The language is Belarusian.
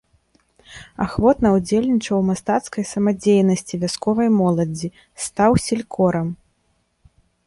Ахвотна ўдзельнічаў у мастацкай самадзейнасці вясковай моладзі, стаў селькорам.